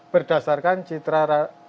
berdasarkan citra radar